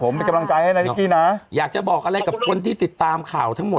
ผมเป็นกำลังใจให้นะนิกกี้นะอยากจะบอกอะไรกับคนที่ติดตามข่าวทั้งหมด